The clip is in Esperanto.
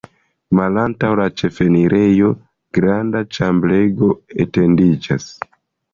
Malantaŭ la ĉefenirejo granda ĉambrego etendiĝas.